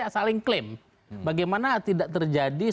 saling klaim bagaimana tidak terjadi